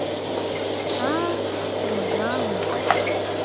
— А-а, логале!